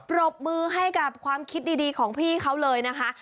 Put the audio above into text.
ปรบมือให้กับความคิดดีของพี่เขาเลยนะคะ